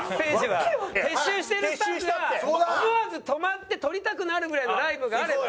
撤収してるスタッフが思わず止まって撮りたくなるぐらいのライブがあれば。